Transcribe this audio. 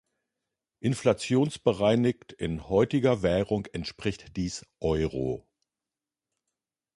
Inflationsbereinigt in heutiger Währung entspricht dies Euro.